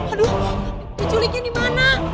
aduh diculikin dimana